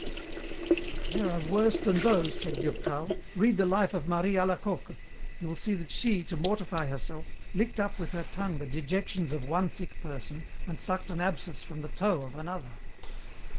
"There are worse than those," said Durtal. "Read the life of Marie Alacoque. You will see that she, to mortify herself, licked up with her tongue the dejections of one sick person and sucked an abscess from the toe of another."